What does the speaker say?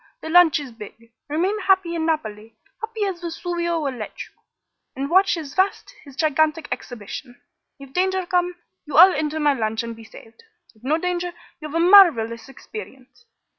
The launch is big. Remain happy in Naples happy as Vesuvio will let you and watch his vast, his gigantic exhibition. If danger come, you all enter my launch and be saved. If no danger, you have a marvelous experience."